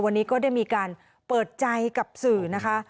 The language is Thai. วันนี้ก็ได้มีการเปิดใจกับสื่อนะคะ